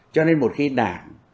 cho nên một khi đảng